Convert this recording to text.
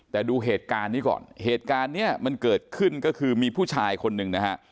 แต่ดูเหตุการณ์นี้ก่อนเหตุการณ์เนี้ยมันเกิดขึ้นก็คือมีผู้ชายคนหนึ่งนะฮะ